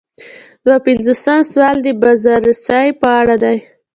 دوه پنځوسم سوال د بازرسۍ په اړه دی.